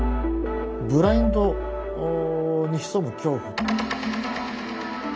ブラインドに潜む恐怖。